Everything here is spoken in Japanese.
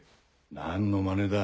何のまねだ。